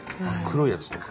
黒いやつも。